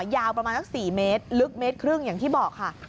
ยาวประมาณสัก๔เมตรลึกเมตรครึ่งอย่างที่บอกค่ะ